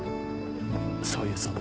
そういうその。